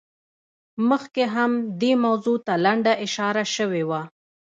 مخکې هم دې موضوع ته لنډه اشاره شوې وه.